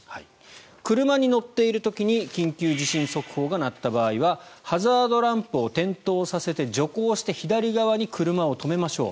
車に乗っている時に緊急地震速報が鳴った場合はハザードランプを点灯させて徐行して左側に車を止めましょう。